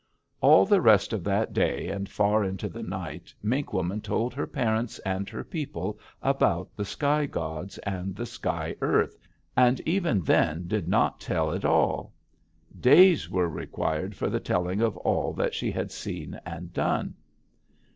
"All the rest of that day and far into the night, Mink Woman told her parents and her people about the sky gods and the sky earth, and even then did not tell it all. Days were required for the telling of all that she had seen and done.